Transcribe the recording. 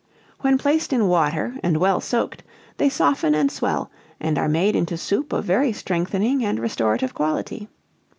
"When placed in water and well soaked, they soften and swell, and are made into soup of very strengthening and restorative quality.